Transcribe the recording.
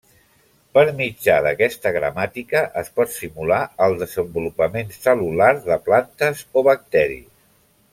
Per mitjà d'aquesta gramàtica es pot simular el desenvolupament cel·lular de plantes o bacteris.